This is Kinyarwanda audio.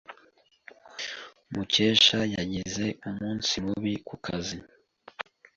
Mukesha yagize umunsi mubi ku kazi.